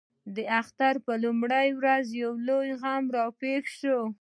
د اختر پر لومړۍ ورځ یو لوی غم پېښ شوی.